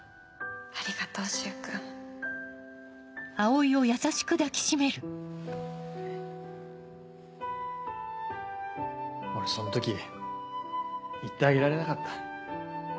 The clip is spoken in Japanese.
ありがとう柊君俺その時言ってあげられなかった。